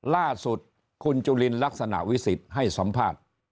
ล่าสุดคุณจุลินลักษณะวิสิทธิ์ให้สัมภาษณ์